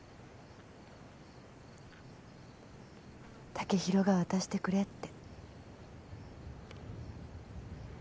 剛洋が渡してくれって。